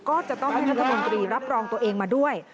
ก็จะต้องให้รัฐมนตรีรับรองตัวเองมาด้วย